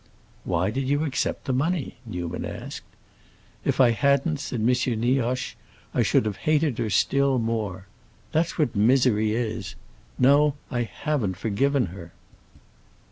"Why did you accept the money?" Newman asked. "If I hadn't," said M. Nioche, "I should have hated her still more. That's what misery is. No, I haven't forgiven her."